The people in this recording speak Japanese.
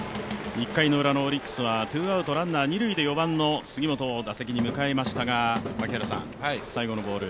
１回のウラのオリックスは、ツーアウトランナー二塁で４番の杉本を打席に迎えましたが、最後のボール。